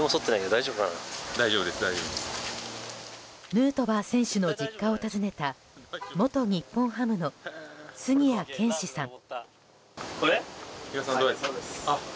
ヌートバー選手の実家を訪ねた元日本ハムの杉谷拳士さん。